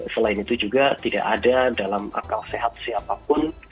selain itu juga tidak ada dalam akal sehat siapapun